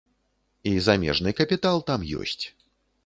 І замежны капітал там ёсць.